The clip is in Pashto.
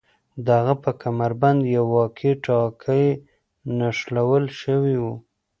د هغه په کمربند یو واکي ټاکي نښلول شوی و